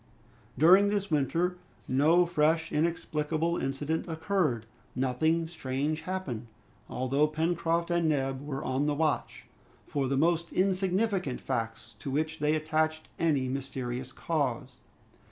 During this winter, no fresh inexplicable incident occurred. Nothing strange happened, although Pencroft and Neb were on the watch for the most insignificant facts to which they attached any mysterious cause.